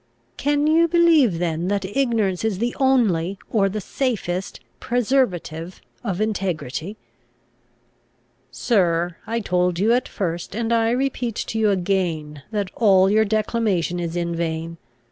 "Can you believe then that ignorance is the only, or the safest, preservative of integrity?" "Sir, I told you at first, and I repeat to you again, that all your declamation is in vain.